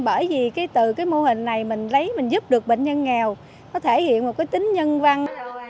bởi vì từ cái mô hình này mình lấy mình giúp được bệnh nhân nghèo nó thể hiện một cái tính nhân văn